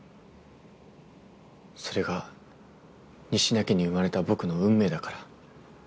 それが仁科家に生まれた僕の運命だから。